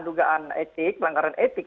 tidak hanya soal andugaan etik